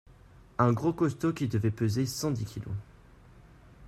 Un grand costaud qui devait peser cent dix kilos.